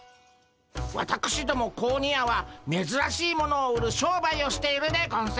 わたくしども子鬼屋はめずらしいものを売る商売をしているでゴンス。